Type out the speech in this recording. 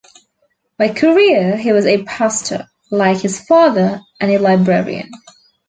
By career he was a pastor, like his father, and a librarian.